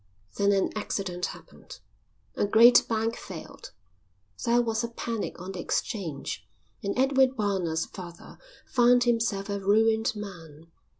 Then an accident happened. A great bank failed, there was a panic on the exchange, and Edward Barnard's father found himself a ruined man.